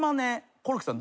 コロッケさん。